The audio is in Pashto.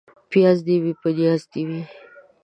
پياز دي وي ، په نياز دي وي.